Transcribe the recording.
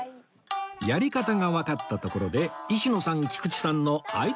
やり方がわかったところで石野さん菊池さんのアイドル対決